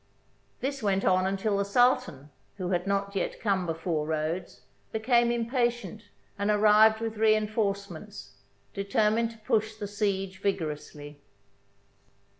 This went on until the Sultan, who had not yet come before Rhodes, became impatient and arrived with rein forcements, determined to push the siege vigor ously.